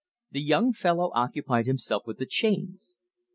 This young fellow occupied himself with the chains.